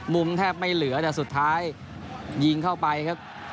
มุมแทบไม่เหลือแต่สุดท้ายยิงเข้าไปครับ